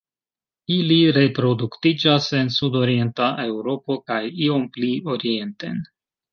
Ili reproduktiĝas en sudorienta Eŭropo kaj iom pli orienten.